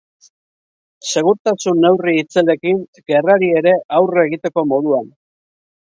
Segurtasun neurri itzelekin, gerrari ere aurre egiteko moduan.